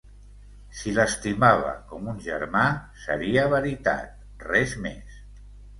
Si l'estimava com un germà, seria veritat, res més.